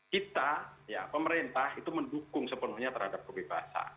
kita ya pemerintah itu mendukung sepenuhnya terhadap kebebasan